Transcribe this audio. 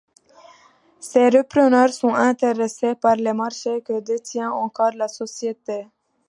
Ces repreneurs sont intéressés par les marchés que détient encore la société.